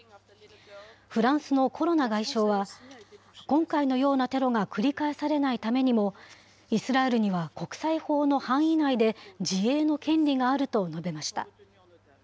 フランスのコロナ外相は、今回のようなテロが繰り返されないためにも、イスラエルには国際法の範囲内で自衛の権利があると述べました。